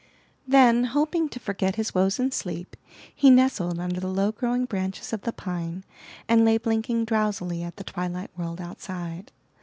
Then, hoping to forget his woes in sleep, he nestled under the low growing branches of the pine, and lay blinking drowsily at the twilight world outside.